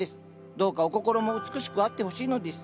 どうかお心も美しくあってほしいのです。